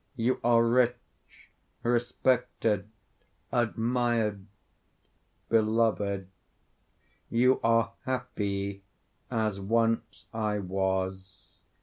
You are rich, respected, admired, beloved; you are happy, as once I was.